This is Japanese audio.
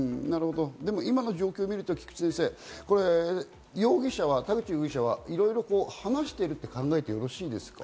今の状況を見ると菊地先生、容疑者はいろいろ話していると考えてよろしいですか？